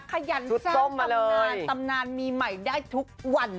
ขยันสร้างตำนานตำนานมีใหม่ได้ทุกวัน